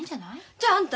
じゃああんた